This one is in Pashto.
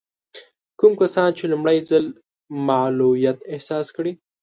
کوم کسان چې لومړی ځل معلوليت احساس کړي.